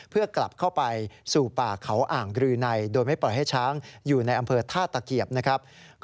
เพื่อกลับเข้าไปสู่ป่าเขาอ่างรือในโดยไม่ปล่อยให้ช้างอยู่ในอำเภอท่าตะเกียบนะครับ